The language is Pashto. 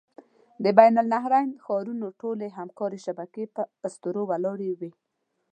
د بین النهرین ښارونو ټولې همکارۍ شبکې په اسطورو ولاړې وې.